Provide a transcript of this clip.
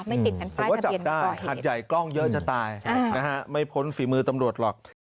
ไม่ติดกันใกล้หัดใหญ่กล้องเยอะจะตายใช่ฮะนะฮะไม่พ้นฝีมือตำรวจหรอก